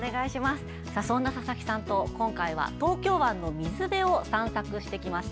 そんな佐々木さんと今回は東京湾の水辺を散策してきました。